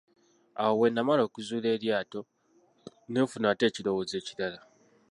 Awo bwe namala okuzuula eryato, ne nfuna ate ekirowoozo ekirala.